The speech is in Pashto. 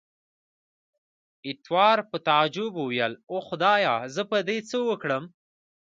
ایټور په تعجب وویل، اوه خدایه! زه به په دې څه وکړم.